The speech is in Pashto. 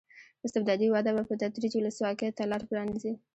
استبدادي وده به په تدریج ولسواکۍ ته لار پرانېزي.